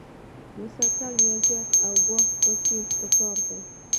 مسلسل ریاضت او کوښښ پکار دی.